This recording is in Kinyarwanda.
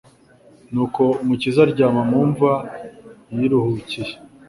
nuko Umukiza aryama mu mva, yiruhukiye.